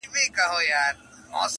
o د غنمو د رويه ځوز هم اوبېږي٫